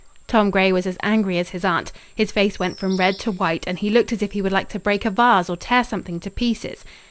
Tom Gray was as angry as his aunt. His face went from red to white, and he looked as if he would like to break a vase or tear something to pieces.